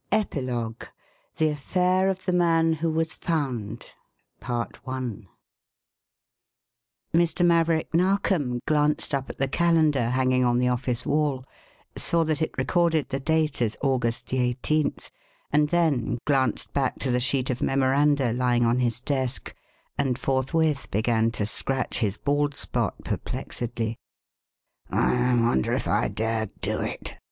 EPILOGUE The Affair of the Man Who Was Found Mr. Maverick Narkom glanced up at the calendar hanging on the office wall, saw that it recorded the date as August 18th, and then glanced back to the sheet of memoranda lying on his desk, and forthwith began to scratch his bald spot perplexedly. "I wonder if I dare do it?"